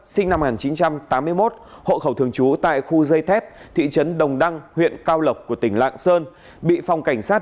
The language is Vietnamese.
xin chào các bạn